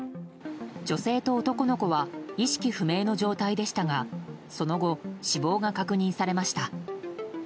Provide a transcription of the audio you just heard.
女性と男の子は意識不明の状態でしたがその後、死亡が確認されました。